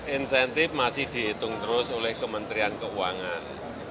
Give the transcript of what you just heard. insentif masih dihitung terus oleh kementerian keuangan